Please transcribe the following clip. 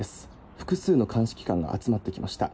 複数の鑑識官が集まってきました。